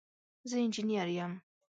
زه انجينر يم.